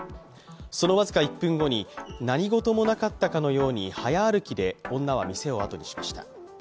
その僅か１分後に、何事もなかったかのように、早歩きで女は店を後にしました。